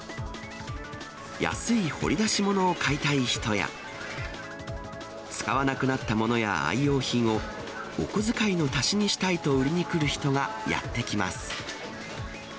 安い掘り出し物を買いたい人や、使わなくなったものや愛用品を、おこづかいの足しにしたいと売りに来る人がやって来ます。